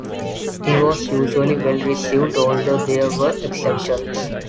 He was usually well-received although there were exceptions.